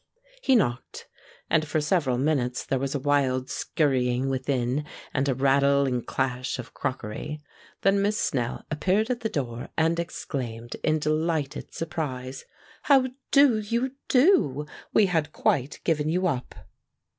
He knocked, and for several minutes there was a wild scurrying within and a rattle and clash of crockery. Then Miss Snell appeared at the door, and exclaimed, in delighted surprise: "How do you do? We had quite given you up."